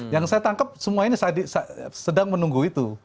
yang saya tangkap semua ini sedang menunggu itu